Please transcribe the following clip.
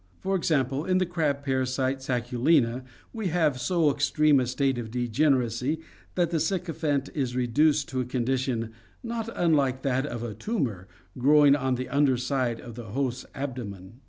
For example, in the crab parasite, Sacculina (Fig. 42), we have so extreme a state of degeneracy that the sycophant is reduced to a condition not unlike that of a tumor growing on the under side of the host's abdomen (see Fig.